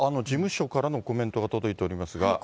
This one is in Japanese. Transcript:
事務所からのコメントが届いておりますが。